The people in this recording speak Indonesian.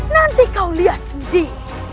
nanti kau lihat sendiri